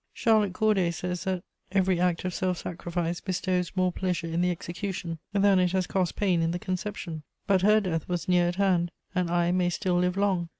Charlotte Corday says that 'every act of self sacrifice bestows more pleasure in the execution than it has cost pain in the conception;' but her death was near at hand, and I may still live long.